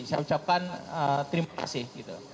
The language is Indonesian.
saya ucapkan terima kasih